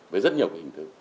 với rất nhiều cái hình thức